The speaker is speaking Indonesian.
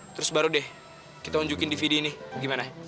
terus baru deh kita unjukin dvd ini gimana